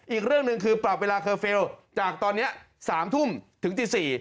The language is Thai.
อีกเรื่องหนึ่งคือปรับเวลาเคอร์ฟิลล์จากตอนนี้๓ทุ่มถึงตี๔